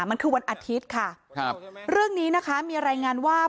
มันคือวันอาทิตย์ค่ะครับเรื่องนี้นะคะมีรายงานว่า